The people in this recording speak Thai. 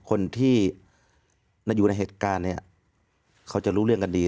คนที่อยู่ในเหตุการณ์เนี่ยเขาจะรู้เรื่องกันดี